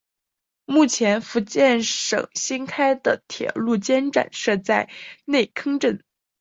目前福建省新开通的高铁晋江站就设在内坑镇。